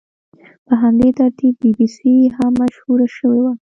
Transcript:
په همدې ترتیب بي بي سي هم مشهوره شوې وه.